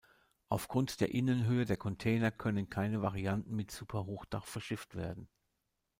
Aufgrund der Innenhöhe der Container können keine Varianten mit Super-Hochdach verschifft werden.